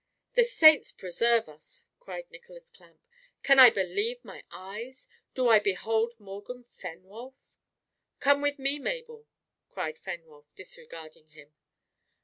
"The saints preserve us!" cried Nicholas Clamp. "Can I believe my eyes! do I behold Morgan Fenwolf!" "Come with me, Mabel," cried Fenwolf, disregarding him.